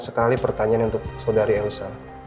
sekali pertanyaan untuk saudari elsa